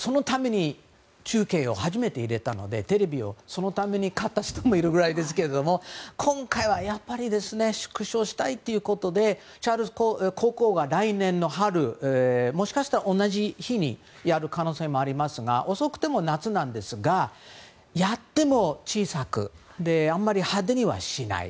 中継を初めて入れたのでテレビをそのために買った人もいるくらいですが今回はやっぱり縮小したいということでチャールズ国王は来年の春もしかしたら同じ日にやる可能性もありますが遅くても夏なんですがやっても、小さくあんまり派手にはしない。